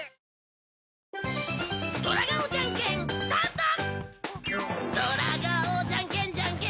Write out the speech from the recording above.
スタート！